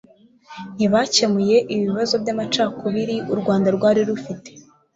Ntibakemuye ibibazo by'amacakubiri u Rwanda rwari rufite